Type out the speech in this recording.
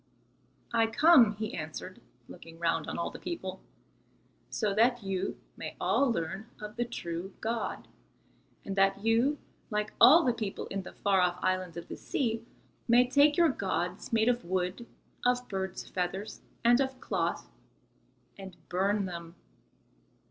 "I come," he answered, looking round on all the people, "so that you may all learn of the true God, and that you, like all the people in the far off islands of the sea, may take your gods made of wood, of birds' feathers and of cloth, and burn them."